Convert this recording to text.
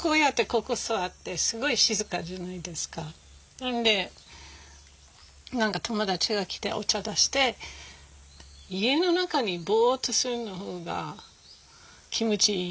なので何か友達が来てお茶出して家の中でボッとするのが気持ちいいのね。